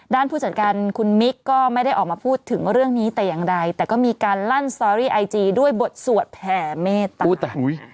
ผู้จัดการคุณมิกก็ไม่ได้ออกมาพูดถึงเรื่องนี้แต่อย่างใดแต่ก็มีการลั่นสตอรี่ไอจีด้วยบทสวดแผ่เมตตา